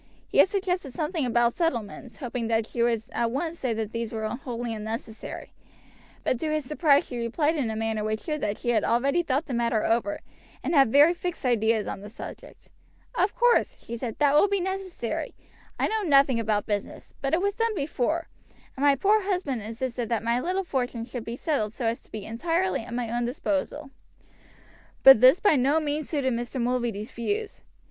He had suggested something about settlements, hoping that she would at once say that these were wholly unnecessary; but to his surprise she replied in a manner which showed that she had already thought the matter over, and had very fixed ideas on the subject. "Of course," she said, "that will be necessary. I know nothing about business, but it was done before, and my poor husband insisted that my little fortune should be settled so as to be entirely at my own disposal." But this by no means suited Mr. Mulready's views.